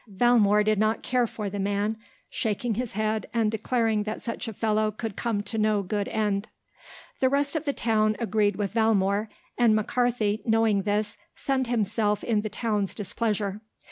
Valmore did not care for the man, shaking his head and declaring that such a fellow could come to no good end. The rest of the town agreed with Valmore, and McCarthy, knowing this, sunned himself in the town's displeasure.